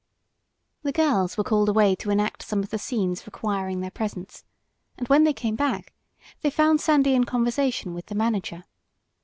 The girls were called away to enact some of the scenes requiring their presence, and when they came back they found Sandy in conversation with the manager.